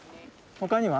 他には？